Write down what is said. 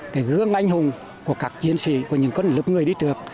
cái gương anh hùng của các chiến sĩ của những con lớp người đi trước